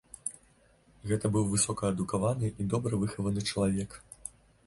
Гэта быў высокаадукаваны і добра выхаваны чалавек.